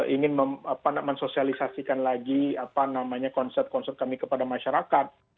ingin mensosialisasikan lagi konsert konsert kami kepada masyarakat